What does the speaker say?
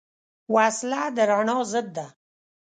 وسله د رڼا ضد ده